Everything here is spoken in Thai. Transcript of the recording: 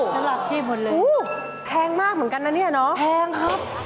จะรับที่หมดเลยโอ้โฮแพงมากเหมือนกันนะเนี่ยเนอะแพงครับ